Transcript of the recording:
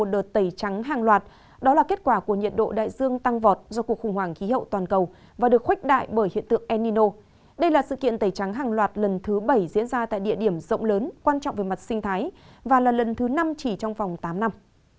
đây là sự kiện tẩy trắng hàng loạt lần thứ bảy diễn ra tại địa điểm rộng lớn quan trọng về mặt sinh thái và là lần thứ năm chỉ trong vòng tám năm